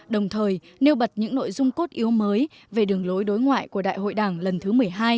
đồng thời nêu bật những nội dung cốt yếu mới về đường lối đối ngoại của đại hội đảng lần thứ một mươi hai